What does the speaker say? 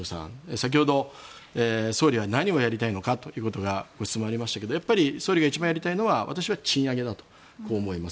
先ほど総理は何をやりたいのかということがご質問がありましたがやっぱり総理が一番やりたいのは私は賃上げだと思います。